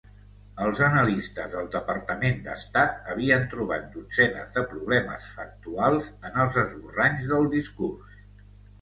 Els analistes del Departament d'Estat havien trobat dotzenes de problemes factuals en els esborranys del discurs.